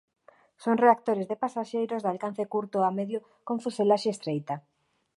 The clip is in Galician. Son reactores de pasaxeiros de alcance curto a medio con fuselaxe estreita.